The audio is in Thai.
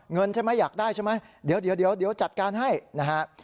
ใช่ไหมอยากได้ใช่ไหมเดี๋ยวจัดการให้นะฮะ